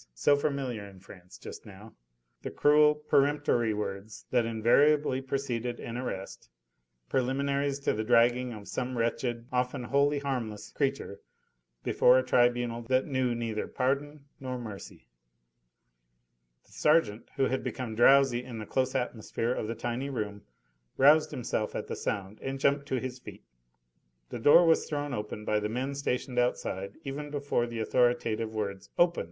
so familiar in France just now, the cruel, peremptory words that invariably preceded an arrest, preliminaries to the dragging of some wretched often wholly harmless creature before a tribunal that knew neither pardon nor mercy. The sergeant, who had become drowsy in the close atmosphere of the tiny room, roused himself at the sound and jumped to his feet. The door was thrown open by the men stationed outside even before the authoritative words, "Open!